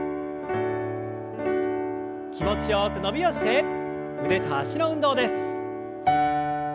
気持ちよく伸びをして腕と脚の運動です。